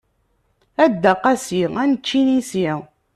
A Dda Qasi ad nečč inisi.